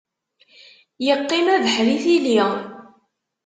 Yeqqim abeḥri, tili.